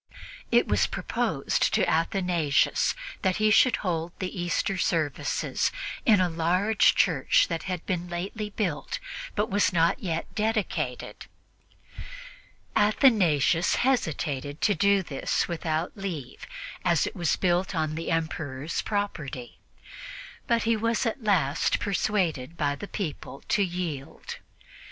It was proposed to Athanasius that he should hold the Easter services in a large church that had been lately built but was not yet dedicated. Athanasius hesitated to do this without leave, as it was built on the Emperor's property, but he was at last persuaded by the people to yield.